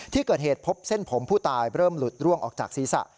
ที่เกิดเหตุพบเส้นผมผู้ตายเริ่มหลุดร่วงออกจากศีรษะ